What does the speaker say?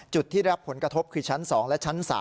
จุดที่รับผลกระทบคือชั้น๒และชั้น๓